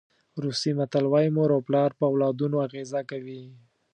روسي متل وایي مور او پلار په اولادونو اغېزه کوي.